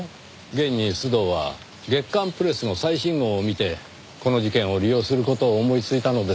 現に須藤は『月刊プレス』の最新号を見てこの事件を利用する事を思いついたのですから。